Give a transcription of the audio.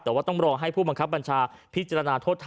และยืนยันเหมือนกันว่าจะดำเนินคดีอย่างถึงที่สุดนะครับ